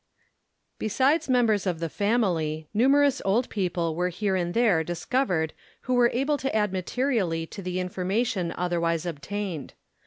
Besides members of the family, numerous old people were here and there discovered who were able to add materially to the information otherwise obtained.